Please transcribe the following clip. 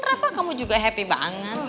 rafa kamu juga senang banget